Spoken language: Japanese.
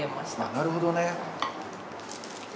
なるほどね。